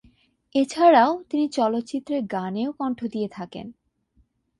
এছাড়াও, তিনি চলচ্চিত্রের গানেও কণ্ঠ দিয়ে থাকেন।